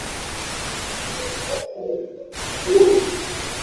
The villages of Portage Creek, Ekwok, Koliganek and New Stuyahok are on the river.